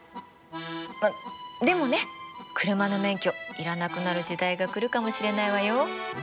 あっでもね車の免許要らなくなる時代が来るかもしれないわよ？